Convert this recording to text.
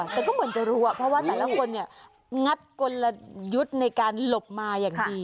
แต่ก็เหมือนจะรู้เพราะว่าแต่ละคนเนี่ยงัดกลยุทธ์ในการหลบมาอย่างดี